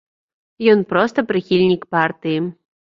Ён проста прыхільнік партыі.